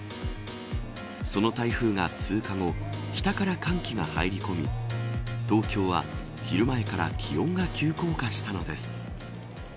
その台風が通過後北から寒気が入り込み東京は昼前から気温が急降下したのです。